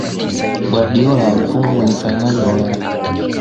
Guardiola alifungwa kwenye fainali ya Ulaya